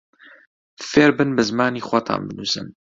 فێربن بە زمانی خۆتان بنووسن